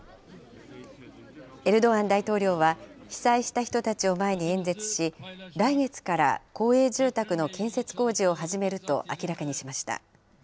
エルドアン大統領は、被災した人たちを前に演説し、来月から公営住宅の建設工事を始めると明らかにしました。